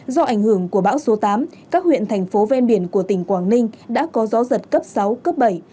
do ảnh hưởng của bão số tám các huyện thành phố ven biển của tỉnh quảng ninh đã có gió giật cấp sáu cấp bảy